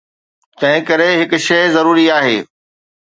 تنهنڪري هڪ شيء ضروري آهي.